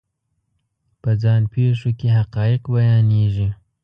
په ځان پېښو کې حقایق بیانېږي.